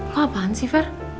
kok apaan sih fer